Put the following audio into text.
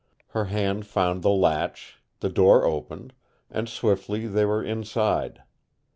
Her hand found the latch, the door opened, and swiftly they were inside.